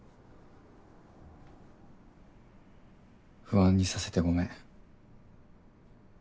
不安にさせてごめん。